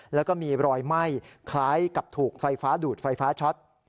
แล้วก็มีรอยไหม้คล้ายกับถูกไฟฟ้าดูดไฟฟ้าช็อต